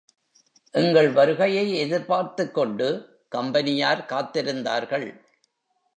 எங்கள் வருகையை எதிர்பார்த்துக் கொண்டு கம்பெனியார் காத்திருந்தார்கள்.